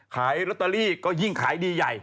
ขายลอตเตอรี่ก็ยิ่งขายดีใหญ่